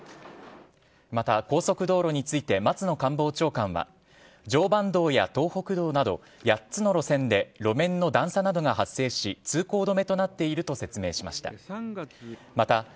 また、高速道路について松野官房長官は常磐道や東北道など８つの路線で路面の段差などが発生し通行止めとなっていると説明しました。